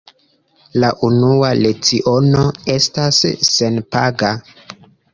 La unua leciono estas senpaga.